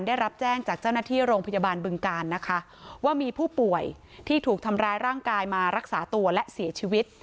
ได้รับแจ้งจากเจ้าหน้าที่โรงพยาบาลบึงการนะคะว่ามีผู้ป่วยที่ถูกทำร้ายร่างกายมารักษาตัวและเสียชีวิต